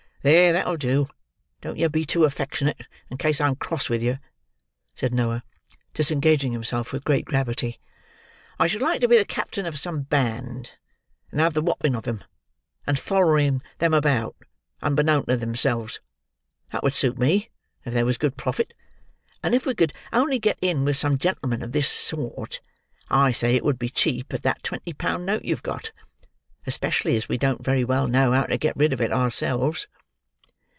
"There, that'll do: don't yer be too affectionate, in case I'm cross with yer," said Noah, disengaging himself with great gravity. "I should like to be the captain of some band, and have the whopping of 'em, and follering 'em about, unbeknown to themselves. That would suit me, if there was good profit; and if we could only get in with some gentleman of this sort, I say it would be cheap at that twenty pound note you've got,—especially as we don't very well know how to get rid of it ourselves."